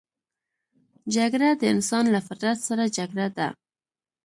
جګړه د انسان له فطرت سره جګړه ده